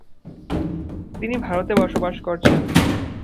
তিনি ভারতে বসবাস করেছেন।